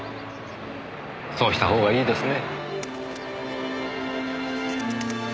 そうした方がいいですね。